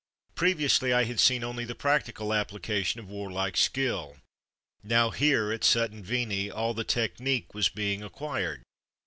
Pre viously I had seen only the practical appli cation of warlike skill. Now here, at Sutton Veney, all the technique was being acquired.